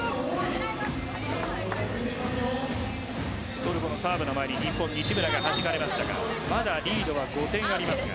トルコのサーブの前に日本、西村がはじかれましたがまだリードは５点あります。